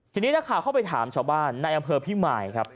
ทีนี้นะคะเขาไปถามชาวบ้านในอำเภอพี่มายครับ